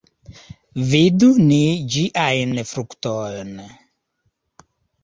Vidu ni ĝiajn fruktojn!